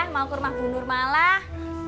mau kurma bunur malah